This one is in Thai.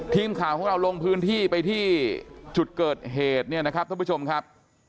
ทีมข่าวของเราลงพื้นที่ไปที่จุดเกิดเหตุเนี่ยนะครับท่านผู้ชมครับ